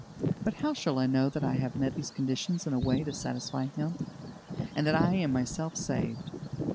But how shall I know that I have met these conditions in a way to satisfy Him, and that I am myself saved?